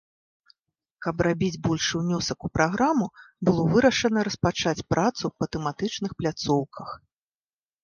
Каб рабіць большы ўнёсак у праграму, было вырашана распачаць працу па тэматычных пляцоўках.